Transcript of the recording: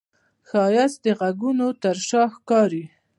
ښایست د غږونو تر شا ښکاري